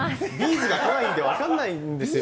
’ｚが来ないんで分かんないんですよ。